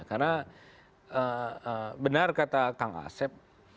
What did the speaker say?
karena benar kata kang asep